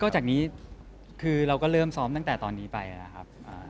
จากนี้คือเราก็เริ่มซ้อมตั้งแต่ตอนนี้ไปนะครับ